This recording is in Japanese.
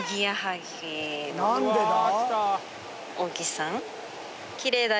何でだ？